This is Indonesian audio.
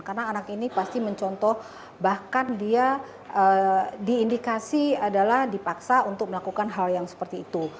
karena anak ini pasti mencontoh bahkan dia diindikasi adalah dipaksa untuk melakukan hal yang seperti itu